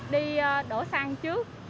đi đổ xăng trước